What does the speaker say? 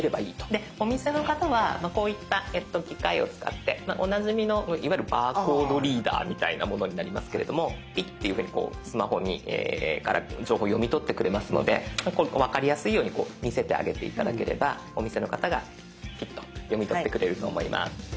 でお店の方はこういった機械を使っておなじみのいわゆるバーコードリーダーみたいなものになりますけれどもピッていうふうにスマホから情報を読み取ってくれますのでこれ分かりやすいように見せてあげて頂ければお店の方がピッと読み取ってくれると思います。